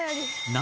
「何？